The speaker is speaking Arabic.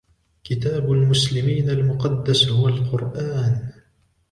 كتاب المسلمين المقدس هو القرآن.